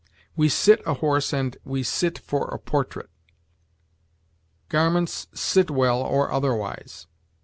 We sit a horse and we sit for a portrait. Garments sit well or otherwise.